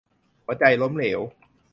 - หัวใจล้มเหลว